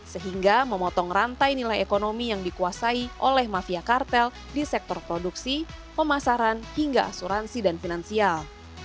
sehingga memotong rantai nilai ekonomi yang dikuasai oleh mafia kartel di sektor produksi pemasaran hingga asuransi dan finansial